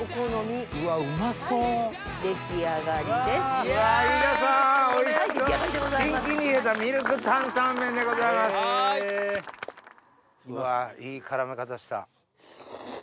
うわいい絡め方した。